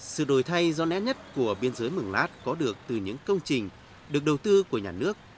sự đổi thay rõ nét nhất của biên giới mường lát có được từ những công trình được đầu tư của nhà nước